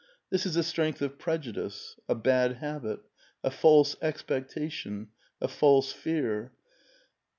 This is a strength of prejudice, a bad habit, a false expectation, a false fear.